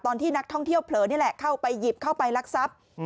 ตอนที่นักท่องเที่ยวเผลอนี่แหละเข้าไปหยิบเข้าไปลักทรัพย์